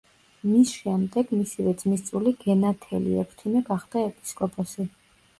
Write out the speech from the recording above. მის შემდეგ მისივე ძმისწული გენათელი ექვთიმე გახდა ეპისკოპოსი.